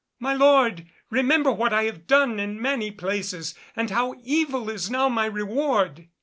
My lord, remember what I have done in many places, and how evil is now my reward."